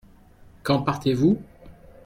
Quand partez-vous ?